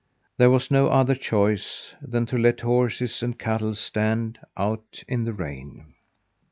There was no other choice than to let horses and cattle stand out in the rain.